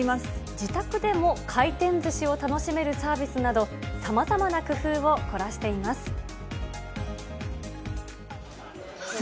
自宅でも回転ずしを楽しめるサービスなど、さまざまな工夫を凝らしています。